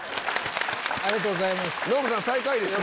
ありがとうございます。